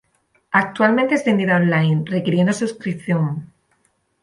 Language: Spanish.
Actualmente es vendida online, requiriendo suscripción.